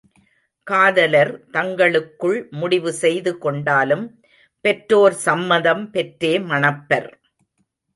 காதலர் தங்களுக்குள் முடிவு செய்து கொண்டாலும் பெற்றோர் சம்மதம் பெற்றே மணப்பர்.